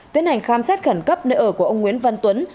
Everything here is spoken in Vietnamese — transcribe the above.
tiến hành khám xét khẩn cấp nơi ở của ông nguyễn văn tuấn